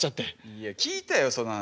いや聞いたよその話。